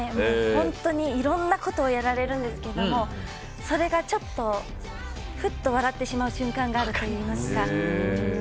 本当に、いろんなことをやられるんですけどもそれがちょっとふっと笑ってしまう瞬間があるといいますか。